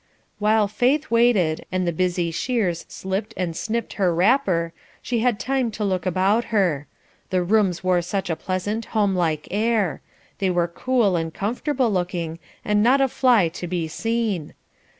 While Faith waited, and the busy shears slipped and snipped her wrapper, she had time to look about her. The rooms wore such a pleasant, home like air; they were cool and comfortable looking, and not a fly to be seen.